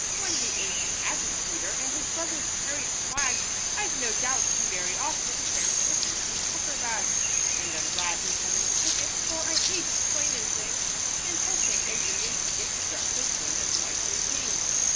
When the ancient agitator And his brothers carried swags, I've no doubt he very often Tramped with empty tucker bags; And I'm glad he's Heaven's picket, For I hate explainin' things, And he'll think a union ticket Just as good as Whitely King's.